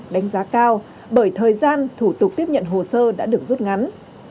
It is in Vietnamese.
đánh giá cao bởi thời gian thủ tục tiếp nhận hồ sơ đã được rút ngắn